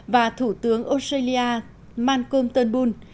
và thủ tướng australia malcolm turnbull